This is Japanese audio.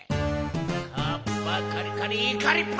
カッパカリカリイカリッパ！